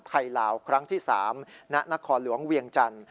ลาวครั้งที่๓ณนครหลวงเวียงจันทร์